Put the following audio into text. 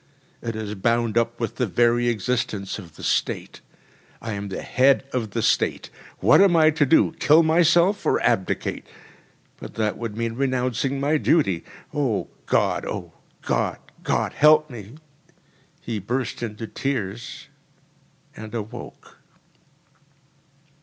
It is bound up with the very existence of the State. I am the head of the State! What am I to do? Kill myself? Or abdicate? But that would mean renouncing my duty. O God, O God, God, help me!‚ÄĚ He burst into tears and awoke.